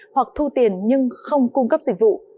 hoặc thu tiền nhưng không cung cấp dịch vụ